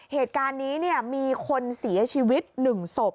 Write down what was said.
เหตุการณ์นี้มีคนเสียชีวิต๑ศพ